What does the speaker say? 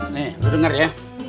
nih lo denger ya